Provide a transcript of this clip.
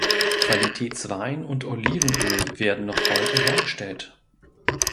Qualitätswein und Olivenöl werden noch heute hergestellt.